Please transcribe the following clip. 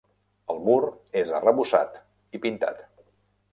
El mur és arrebossat i pintat.